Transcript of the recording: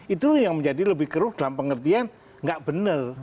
itu yang menjadi lebih keruh dalam pengertian nggak benar